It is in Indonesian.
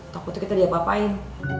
takutnya kita diapa apain